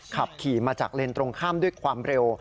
ขับขี่มาจากเลนส์ตรงข้ามด้วยความเร็ว